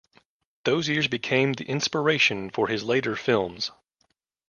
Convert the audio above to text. Those years became the inspiration for his later films.